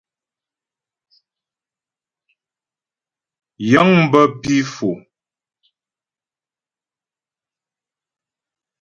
Yəŋ bə pǐ Fò.